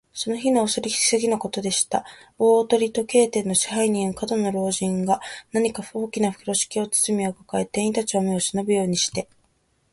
その日のお昼すぎのことでした。大鳥時計店の支配人の門野老人が、何か大きなふろしき包みをかかえて、店員たちの目をしのぶようにして、